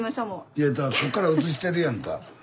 いやだからこっから映してるやんか。